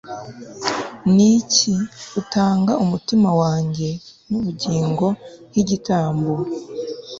Niki utanga umutima wanjye nubugingo nkigitambo